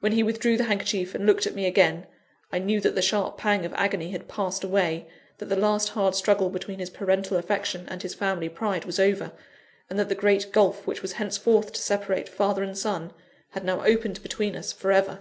When he withdrew the handkerchief and looked at me again, I knew that the sharp pang of agony had passed away, that the last hard struggle between his parental affection and his family pride was over, and that the great gulph which was hence forth to separate father and son, had now opened between us for ever.